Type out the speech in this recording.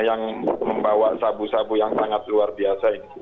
yang membawa sabu sabu yang sangat luar biasa ini